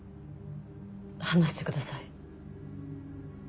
話してください。